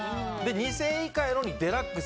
２０００円以下やのにデラックス。